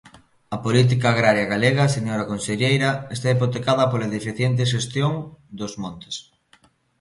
A política agraria galega, señora conselleira, está hipotecada pola deficiente xestión dos montes.